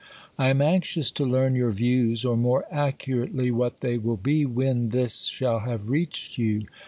I am anxious to learn your views, or more accurately what they will be when this shall have reached you.